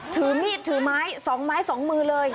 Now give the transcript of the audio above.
ถือมีดถือไม้สองไม้สองมือเลย